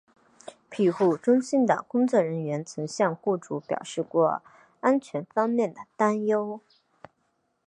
庇护中心的工作人员曾向雇主表示过安全方面的担忧。